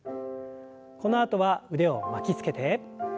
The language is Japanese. このあとは腕を巻きつけて。